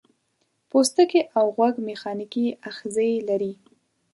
پوستکی او غوږ میخانیکي آخذې لري.